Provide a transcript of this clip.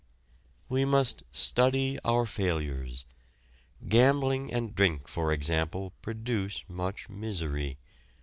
We must study our failures. Gambling and drink, for example, produce much misery.